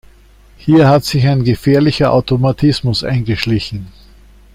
Hier hat sich ein gefährlicher Automatismus eingeschlichen.